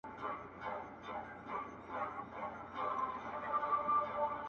د زده کړو امر یې کاوه